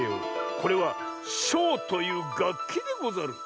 これは「しょう」というがっきでござる。